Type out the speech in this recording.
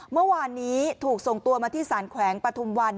เมื่อวานนี้ถูกส่งตัวมาที่สารแขวงปฐุมวัน